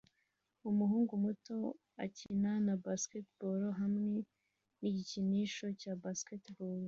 Umuhungu muto akina na basketball hamwe nigikinisho cya basketball